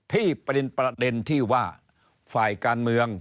ที่เป็นประเด็นที่ว่าฝ่ายการเมือง